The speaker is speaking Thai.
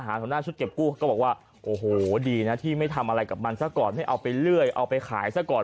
ทางด้านชุดเก็บกู้วัตถุปภัยก็บอกว่าโอโหดีนะที่ไม่สงสัยเลยนะไม่เอาไปเลื่อยเอาไปขายซะก่อน